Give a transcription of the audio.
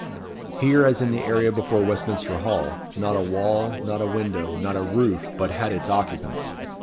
Here, as in the area before Westminster hall, not a wall, not a window, not a roof, but had its occupants.